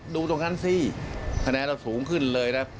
ดูตรงนั้นสิคะแนนเราสูงขึ้นเลยนะ